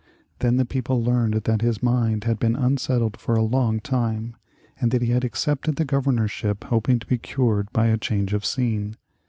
Then the people learned that his mind had been unsettled for a long time, and that he had accepted the governorship hoping to be cured by a change of scene.